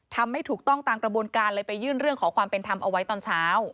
ไม่ถูกต้องตามกระบวนการเลยไปยื่นเรื่องขอความเป็นธรรมเอาไว้ตอนเช้า